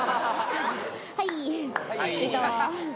はい。